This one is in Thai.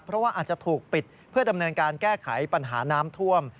เพราะว่าอาจจะถูกปิดเพื่อดำเนินการแก้ไขปัญหาน้ำท่วม